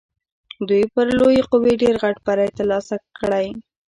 دوی پر لویې قوې ډېر غټ بری تر لاسه کړی.